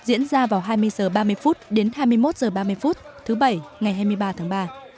diễn ra vào hai mươi h ba mươi đến hai mươi một h ba mươi phút thứ bảy ngày hai mươi ba tháng ba